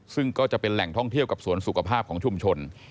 ซึ่งก็จะเป็นแหล่งท่องเที่ยวกับสวนสุขภาพของชุมชน